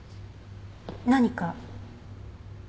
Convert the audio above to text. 何か？